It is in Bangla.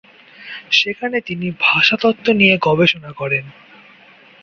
সেখানে তিনি ভাষাতত্ত্ব নিয়ে গবেষণা করেন।